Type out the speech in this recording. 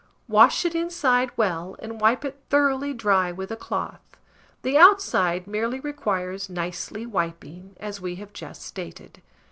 Wash it inside well, and wipe it thoroughly dry with a cloth; the outside merely requires nicely wiping, as we have just stated.